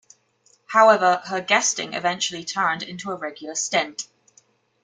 However, her guesting eventually turned into a regular stint.